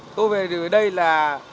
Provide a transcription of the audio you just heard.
tôi về đây là